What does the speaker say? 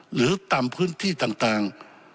หรือตามพื้นที่ต่าง